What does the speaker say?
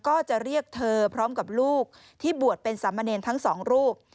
ก็จะเรียกเธอพร้อมกับลูกที่บวชเป็นสามเณรทั้งสองรูป